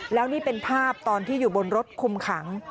แล้วนี่เป็นภาพตอนที่อยู่บนรถคุมขัง